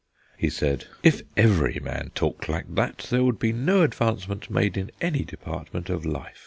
He said: "If every man talked like that there would be no advancement made in any department of life.